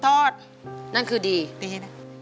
คนที่สองชื่อน้องก็เอาหลานมาให้ป้าวันเลี้ยงสองคน